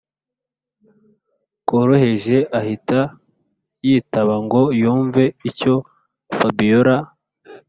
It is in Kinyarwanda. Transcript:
koroheje ahita yitaba ngo yumve icyo fabiora